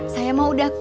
saya mau udah ke rumah